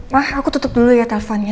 ma aku tutup dulu ya teleponnya